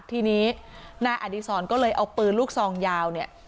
ทีนี้นายอดีศรก็เลยเอาปืนลูกซองยาวเนี่ย